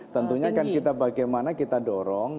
tentunya kan kita bagaimana kita dorong